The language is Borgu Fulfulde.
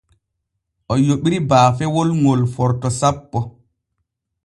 O yoɓiri baafewol ŋol Forto sappo.